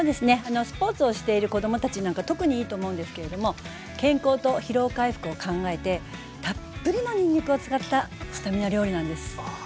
スポーツをしている子供たちなんか特にいいと思うんですけれども健康と疲労回復を考えてたっぷりのにんにくを使ったスタミナ料理なんです。